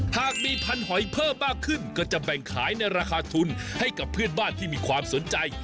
หากมีพันธอยเพิ่มมากขึ้นก็จะแบ่งขายในราคาทุนให้กับเพื่อนบ้านที่มีความสนใจ